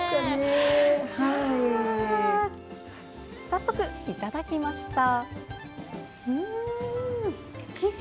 早速、いただきました。